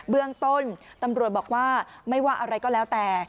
เบื้องต้นตำรวจบอกว่าไม่ว่าอะไรก็แล้วแต่